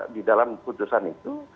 di dalam putusan itu